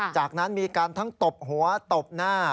จากนั้นมีการทั้งตบหัวตบหน้า